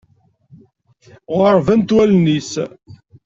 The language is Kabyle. Ɣeṛṛbent wallen-is.